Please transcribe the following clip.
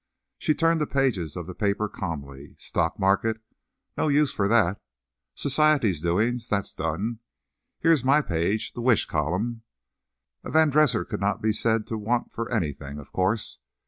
She turned the pages of the paper calmly. "'Stock market'—no use for that. 'Society's doings'—that's done. Here is my page— the wish column. A Van Dresser could not be said to 'want' for anything, of course.